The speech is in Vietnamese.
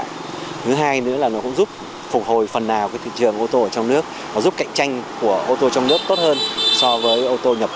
thứ hai nữa là nó cũng giúp phục hồi phần nào thị trường ô tô ở trong nước và giúp cạnh tranh của ô tô trong nước tốt hơn so với ô tô nhập